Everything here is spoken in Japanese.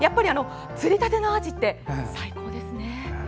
釣りたてのアジって最高ですね。